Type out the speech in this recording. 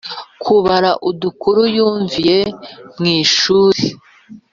-kubara udukuru yumviye mu ishuri